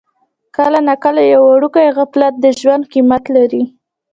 کله ناکله یو وړوکی غفلت د ژوند قیمت لري.